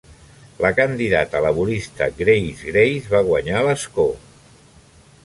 La candidata laborista Grace Grace va guanyar l'escó.